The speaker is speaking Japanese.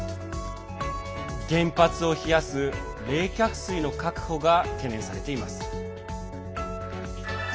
原発を冷やす冷却水の確保が懸念されています。